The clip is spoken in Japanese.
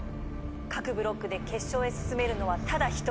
各ブロックで決勝へ進めるのはただ一人。